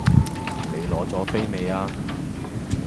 你攞左飛未呀？